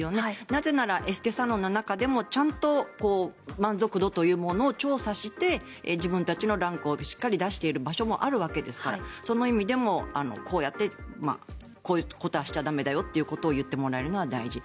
なぜなら、エステサロンの中でもちゃんと満足度というものを調査して自分たちのランクをしっかり出しているところもあるわけですからその意味でもこういうことはしちゃ駄目だよということを言ってもらえるのは大事。